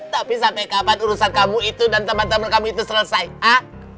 tapi sampai kapan urusan kamu itu dan temen temen kamu itu selesai ha